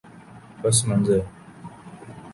پس منظر